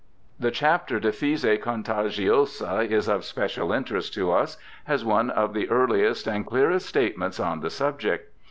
The chapter de phthisi contagiosa is of special interest to us as one of the earliest and clearest statements on the subject.